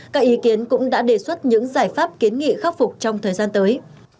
các ý kiến cũng đã đề xuất những giải pháp kiến nghị khắc phục trong thời gian tới